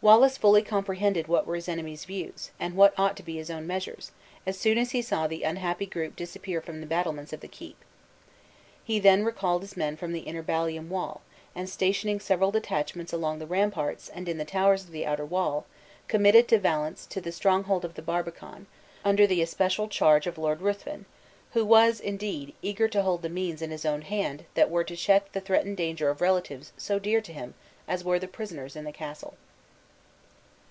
Wallace fully comprehended what were his enemy's views, and what ought to be his own measures, as soon as he saw the unhappy group disappear from the battlements of the keep. He then recalled his men from the inner ballium wall, and stationing several detachments along the ramparts, and in the towers of the outer wall, committed De Valence to the stronghold of the barbican, under the especial charge of Lord Ruthven, who was, indeed, eager to hold the means in his own hand that were to check the threatened danger of relatives so dear to him as were the prisoners in the castle.